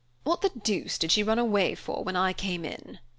What the deuce did she run away for, when I came in?